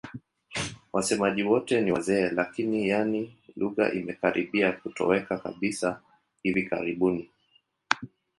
Wasemaji wote ni wazee lakini, yaani lugha imekaribia kutoweka kabisa hivi karibuni.